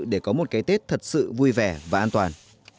để có một cái tết thật sự vui vẻ và an toàn